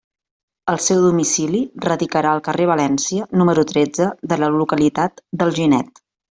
El seu domicili radicarà al carrer València, número tretze, de la localitat d'Alginet.